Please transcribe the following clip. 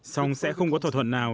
song sẽ không có thỏa thuận nào